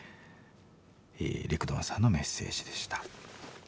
レクドンさんのメッセージでした。